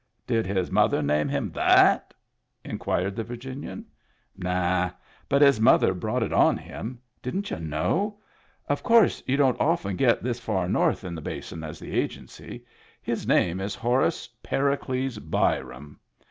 " Did his mother name him that ?" inquired the Virginian. "Naw! but his mother brought it on him. Didn't y'u know? Of course you don't often get so far north in the Basin as the Agency. His name is Horace Pericles Byram.